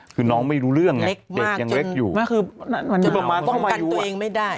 คือน้องไม่รู้เรื่องไงเด็กยังเล็กอยู่ประมาณป้องกันตัวเองไม่ได้